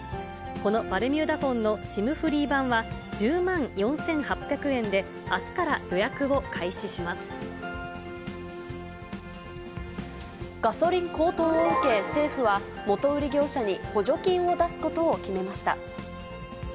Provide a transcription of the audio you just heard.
このバルミューダフォンのＳＩＭフリー版は１０万４８００円で、ガソリン高騰を受け、政府は元売り業者に補助金を出すことを決めました。